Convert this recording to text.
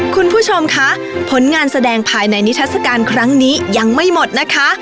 คุณผู้ชมคะผลงานแสดงภายในนิทัศกาลครั้งนี้ยังไม่หมดนะคะ